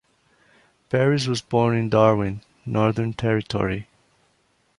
Peris was born in Darwin, Northern Territory.